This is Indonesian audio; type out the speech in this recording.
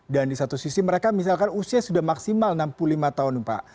dan di satu sisi mereka misalkan usia sudah maksimal enam puluh lima tahun pak